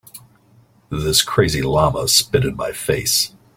This crazy llama spit in my face.